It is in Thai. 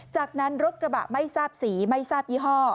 จากนั้นรถกระบะไม่ทราบสีไม่ทราบยี่ห้อ